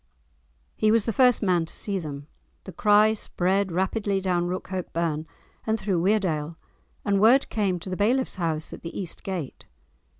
He was the first man to see them. The cry spread rapidly down Rookhope burn and through Weardale, and word came to the bailiff's house at the East gate.